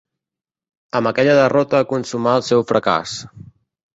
Amb aquella derrota consumà el seu fracàs.